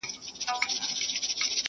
• کلي چوپتيا کي ژوند کوي,